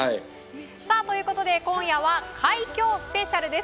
ということで、今夜は快挙スペシャルです。